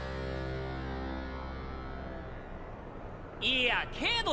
いやけど！！